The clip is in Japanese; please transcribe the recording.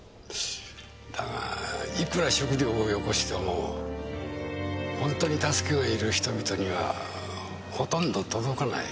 だがいくら食料をよこしても本当に助けのいる人々にはほとんど届かない。